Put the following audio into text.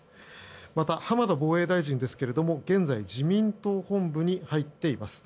また、浜田防衛大臣ですが現在自民党本部に入っています。